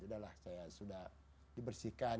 sudah lah saya sudah dibersihkan